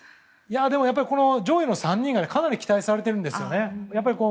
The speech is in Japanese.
でもやっぱり上位の３人がかなり期待されているんですよ。